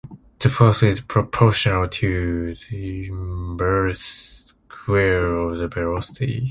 The force is also proportional to the inverse square of the velocity.